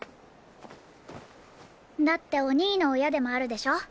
だってお兄の親でもあるでしょ？